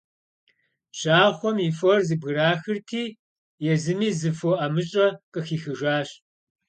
Bjaxhuem yi for zebgraxırti, yêzımi zı fo 'emış'e khıxixıjjaş.